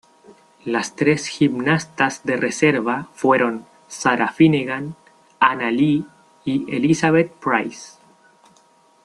Las tres gimnastas de reserva fueron Sarah Finnegan, Anna Li y Elizabeth Price.